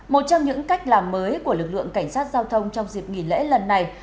một trong những cách làm mới của lực lượng cảnh sát giao thông trong dịp nghỉ lễ lần này